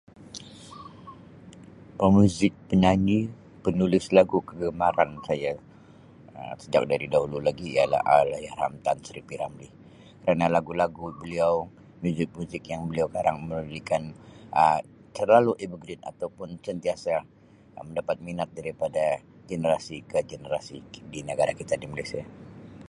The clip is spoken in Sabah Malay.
Pemuzik, penyanyi, penulis lagu kegemaran saya Um sejak dari dahulu lagi ialah Allahyarham Tan Sri P.Ramlee kerna lagu-lagu beliau muzik-muzik yang beliau karang memberikan Um selalu evergreen atau pun sentiasa mendapat minat daripada generasi ke generasi di negara kita di Malaysia.